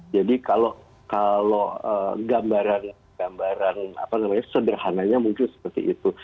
jadi kalau gambaran sederhananya mungkin seperti itu